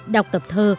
đọc tập thơ